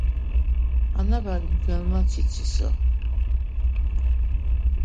ანაბარი მგელმაც იცისო